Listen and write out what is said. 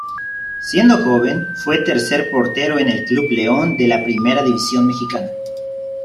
Siendo joven fue tercer portero en el Club León de la Primera División Mexicana.